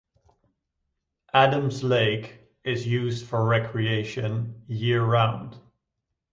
Adams Lake is used for recreation year round.